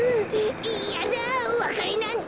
いやだおわかれなんて。